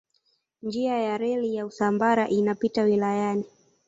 Njia ya reli ya Usambara inapita wilayani.